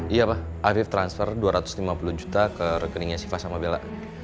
iya pak arief transfer dua ratus lima puluh juta ke rekeningnya siva sama bella